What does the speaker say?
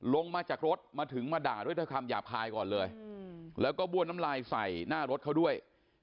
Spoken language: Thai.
ลงมาจากรถมาถึงมาด่าด้วยคำหยาบคายก่อนเลยแล้วก็บ้วนน้ำลายใส่หน้ารถเขาด้วย